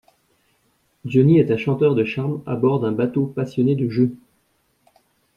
Johnny est un chanteur de charme à bord d'un bateau passionné de jeu.